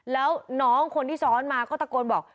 แล้วน้องคนที่ซ้อนมาก็ตะโกนบอก